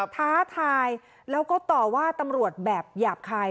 ท้าทายแล้วก็ต่อว่าตำรวจแบบหยาบคาย